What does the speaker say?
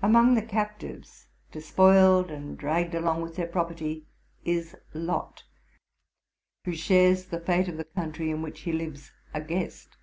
Among the captives, despoiled, and dragged along with their property, is Lot, who shares the fate of the country in which he lives a guest.